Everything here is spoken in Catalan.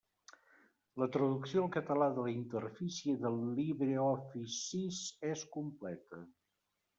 La traducció al català de la interfície del LibreOffice sis és completa.